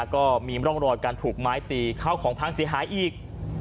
ก็มีร่องรอยการถูกไม้ตีเข้าของพังเสียหายอีก